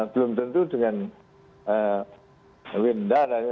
belum tentu dengan windar